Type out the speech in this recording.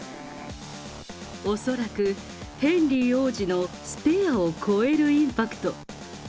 恐らくヘンリー王子のスペアを超えるインパクト。